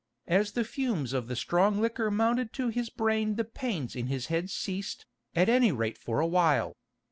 As the fumes of the strong liquor mounted to his brain the pains in his head ceased, at any rate for a while.